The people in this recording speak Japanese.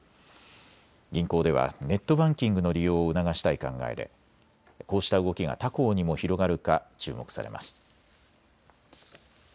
銀行ではネットバンキングの利用を促したい考えでこうした動きが他行にも広がるか注目されます。